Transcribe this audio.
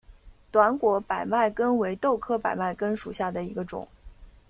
短果百脉根为豆科百脉根属下的一个种。